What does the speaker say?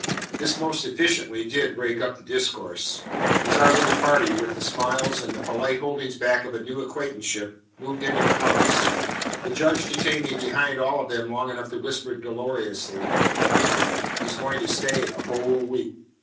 This most efficiently did break up the discourse. As our little party, with the smiles and the polite holdings back of new acquaintanceship, moved into the house, the Judge detained me behind all of them long enough to whisper dolorously, "He's going to stay a whole week."